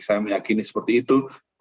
saya meyakini seperti itu